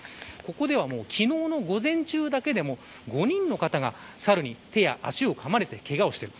ここではもう昨日の午前中だけでも５人の方がサルに手や足をかまれてけがをしている。